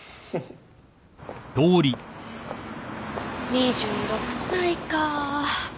２６歳か。